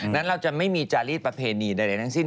นั้นเราจะไม่มีจารีสประเพณีใดทั้งสิ้น